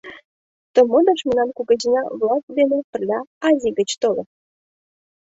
Ты модыш мемнан кугезына-влак дене пырля Азий гыч толын.